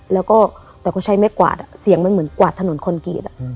แล้วก็แต่ก็ใช้ไม่กวาดเสียงมันเหมือนกวาดถนนคอนกรีต